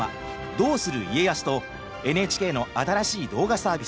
「どうする家康」とＮＨＫの新しい動画サービス